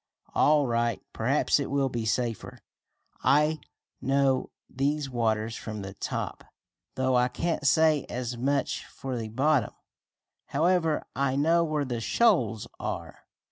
"All right. Perhaps it will be safer. I know these waters from the top, though I can't say as much for the bottom. However, I know where the shoals are."